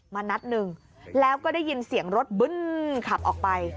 นัดหนึ่งแล้วก็ได้ยินเสียงรถบึ้นขับออกไป